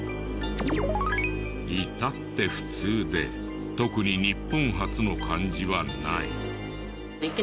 至って普通で特に日本初の感じはない。